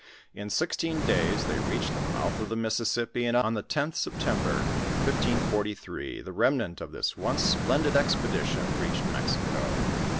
In sixteen days they reached the mouth of the Mississippi, and on the 10th September, 164!), the rem nant of this once splendid expedition reached Mexico.